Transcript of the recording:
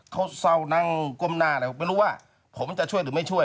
เขาเศร้านั่งก้มหน้าเลยไม่รู้ว่าผมจะช่วยหรือไม่ช่วย